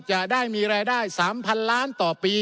จะได้มีรายได้๓๐๐๐ล้านต่อปี